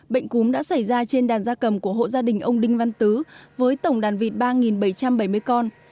bệnh cúm đã xảy ra trên đàn da cầm của hộ gia đình ông đinh văn tứ với tổng đàn vịt ba bảy trăm bảy mươi con